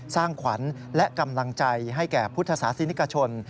สร้างขวัญและกำลังใจให้แก่พุทธศาสนิกชน